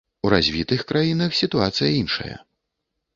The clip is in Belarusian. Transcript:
У развітых краінах сітуацыя іншая.